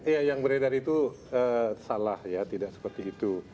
ya yang beredar itu salah ya tidak seperti itu